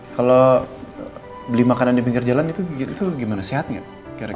kalau beli makanan di pinggir jalan itu gimana sehat nggak